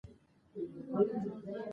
ازادي راډیو د اقتصاد وضعیت انځور کړی.